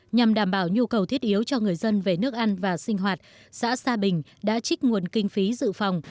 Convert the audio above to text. nhằm đảm bảo nhu cầu thiết yếu cho người dân về nước ăn và sinh hoạt xã sa bình đã trích nguồn kinh phí dự phòng